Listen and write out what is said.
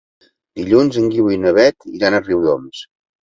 Dilluns en Guiu i na Beth iran a Riudoms.